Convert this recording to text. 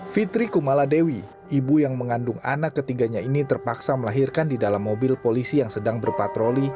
fitri kumala dewi ibu yang mengandung anak ketiganya ini terpaksa melahirkan di dalam mobil polisi yang sedang berpatroli